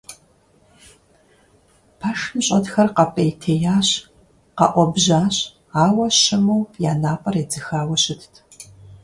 Пэшым щӀэтхэр къэпӀейтеящ, къэуӀэбжьащ, ауэ щыму, я напӀэр едзыхауэ щытт.